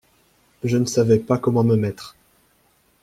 Je ne savais pas comment me mettre.